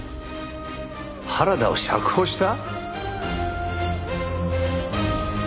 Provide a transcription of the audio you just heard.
原田を釈放した？